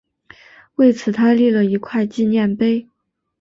为此他立了一块纪念碑。